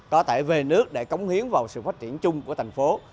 có thể về nước để cống hiến vào sự phát triển chung của thành phố